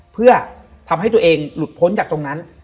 เพื่อทำให้ตัวเองหลุดพ้นจากตรงนั้น